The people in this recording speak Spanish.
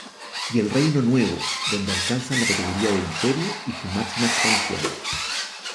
Y el Reino Nuevo, donde alcanzan la categoría de imperio y su máxima expansión.